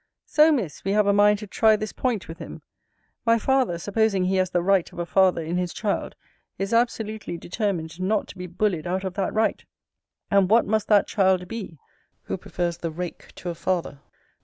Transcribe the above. So, Miss, we have a mind to try this point with him. My father, supposing he has the right of a father in his child, is absolutely determined not to be bullied out of that right. And what must that child be, who prefers the rake to a father?